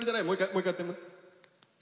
もう一回やってみ。